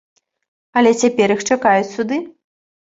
Але цяпер іх чакаюць суды.